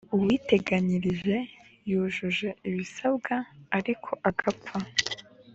uwiteganyirije yujuje ibisabwa ariko agapfa